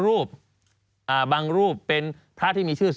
สนุนโดยหวานได้ทุกที่ที่มีพาเลส